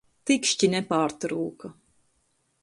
Tikšķi nepārtūka.